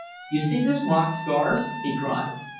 "You see this rock, Scars!" he cried.